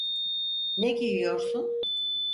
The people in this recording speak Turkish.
Ne giyiyorsun?